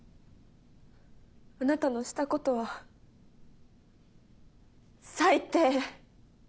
あなたのしたことは最低。